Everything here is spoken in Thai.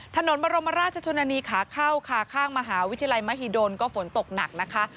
ถนนบรมราชชนนานีขาเข้าค่ะข้างมหาวิทยาลัยมหิดลก็ฝนตกหนักนะคะ